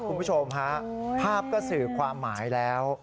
คุณผู้ชมฮะภาพก็สื่อความหมายแล้ว